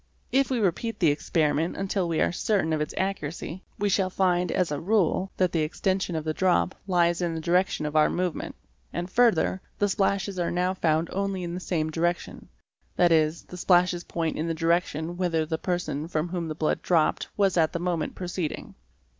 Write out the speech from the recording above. If we repeat the experiment until we are certain of its accuracy, e shall find, as a rule, that the extension of the drop lies in the direction 4 ( 564 TRACES OF BLOOD of our movement ; and further, the splashes are now found only in the same direction ; that is, the splashes point in the direction whither the person from whom the blood dropped was at the moment proceeding.